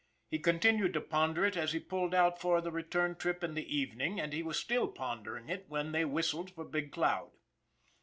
He continued to ponder it as they pulled out for the return trip in the evening, and he was still pondering it when they whistled for Big Cloud.